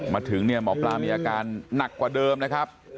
มาถึงเนี่ยหมอปลามีอาการหนักกว่าเดิมนะครับ